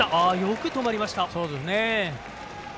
よく止まりました！